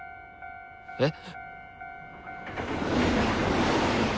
えっ？